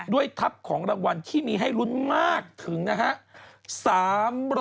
ทัพของรางวัลที่มีให้ลุ้นมากถึงนะฮะ